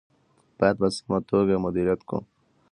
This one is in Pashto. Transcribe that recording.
باید په سمه توګه یې مدیریت کړو.